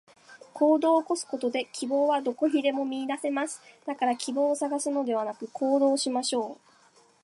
行動を起こすことで、希望はどこにでも見いだせます。だから希望を探すのではなく、行動しましょう。